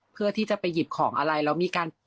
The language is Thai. เพื่อที่จะไปหยิบของอะไรแล้วมีการ